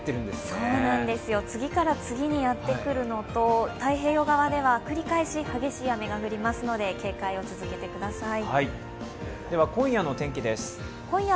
そうなんですよ、次から次にやってくるのと、太平洋側では繰り返し激しい雨が降りますので、警戒を続けてください。